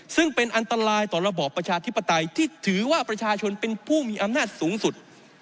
ซึ่งเป็นอันตรายต่อระบอบประชาธิปไตยที่ถือว่าประชาชนเป็นผู้มีอำนาจสูงสุด